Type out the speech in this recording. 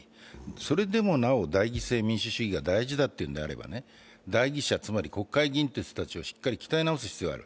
それでもなお代議士制民主主義が大事だとしたら代議士、つまり国会議員という人たちを鍛え直す必要がある。